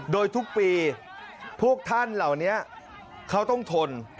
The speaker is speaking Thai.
โดยทุกปีพวกท่านเหล่านี้เขาต้องทน